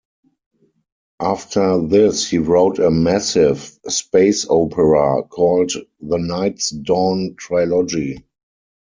After this he wrote a massive space opera, called "The Night's Dawn Trilogy".